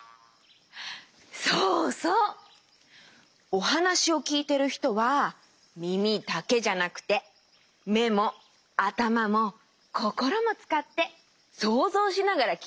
おはなしをきいてるひとはみみだけじゃなくてめもあたまもこころもつかってそうぞうしながらきいてるよ。